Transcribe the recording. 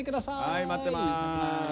はい待ってます。